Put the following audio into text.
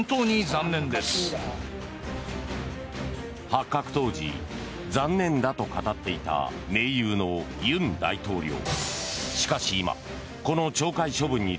発覚当時、残念だと語っていた盟友の尹大統領。